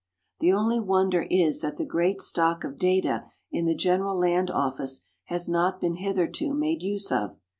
The only wonder is that the great stock of data in the General Land Office has not been hitherto made use of.